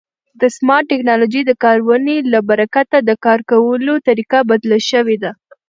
د سمارټ ټکنالوژۍ د کارونې له برکته د کار کولو طریقه بدله شوې ده.